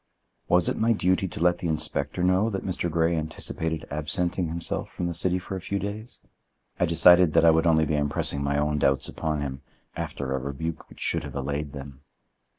Was it my duty to let the inspector know that Mr. Grey anticipated absenting himself from the city for a few days? I decided that I would only be impressing my own doubts upon him after a rebuke which should have allayed them.